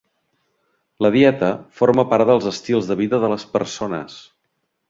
La dieta forma part dels estils de vida de les persones.